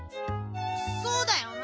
そうだよな。